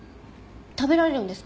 食べられるんですか？